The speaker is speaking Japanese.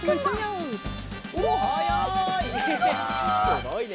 すごいね。